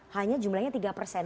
hanya jumlahnya tiga persen